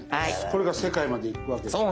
これが世界までいくわけですか？